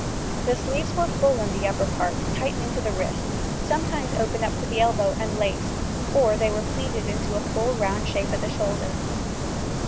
The sleeves were full in the upper part, tightening to the wrist, sometimes open up to the elbow and laced, or they were pleated into a full round shape at the shoulder.